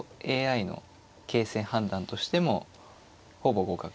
ＡＩの形勢判断としてもほぼ互角。